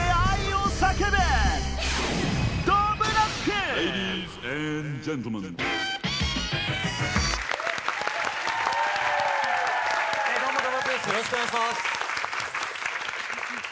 よろしくお願いします。